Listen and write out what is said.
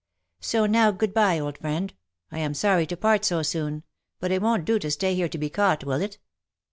So now good by, old friend ; I am sorry to part so soon, but it won't do to stay here to be caught, will it?"